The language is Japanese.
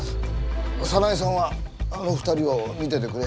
早苗さんはあの２人を見ててくれ。